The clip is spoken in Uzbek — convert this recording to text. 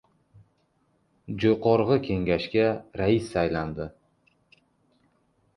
Jo‘qorg‘i Kengesga Rais saylandi